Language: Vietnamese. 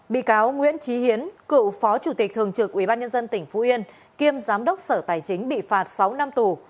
bị cáo nguyễn trí hiến cựu phó chủ tịch thường trực ubnd tỉnh phú yên kiêm giám đốc sở tài chính bị phạt sáu năm tù